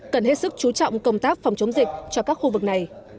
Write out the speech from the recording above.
cần hết sức chú trọng công tác phòng chống dịch cho các khu vực này